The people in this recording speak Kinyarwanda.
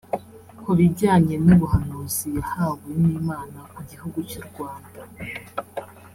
Ku bijyanye n’ubuhanuzi yahawe n’Imana ku gihugu cy’u Rwanda